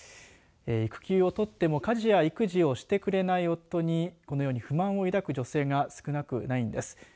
育休を取っても家事や育児をしてくれない夫にこのように不満を抱く女性が少なくないんです。